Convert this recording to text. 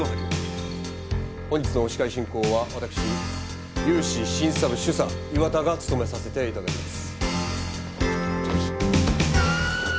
本日の司会進行はわたくし融資審査部主査岩田が務めさせて頂きます。